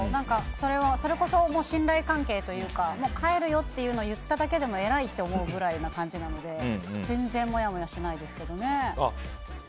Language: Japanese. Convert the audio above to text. それこそ信頼関係というか帰るよと言っただけでも偉いと思うくらいな感じなので全然、モヤモヤしないですけどね。